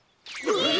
えっ！？